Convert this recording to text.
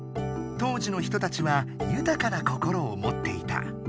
当時の人たちはゆたかな心をもっていた。